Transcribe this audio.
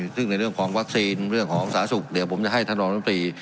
ซึ่งในเรื่องของวัคซีนเรื่องของสาธารณสุขเดี๋ยวผมจะให้ท่านรองน้ำตรี